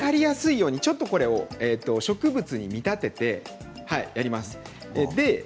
ちょっと植物に見立ててやりますね。